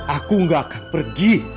aku gak akan pergi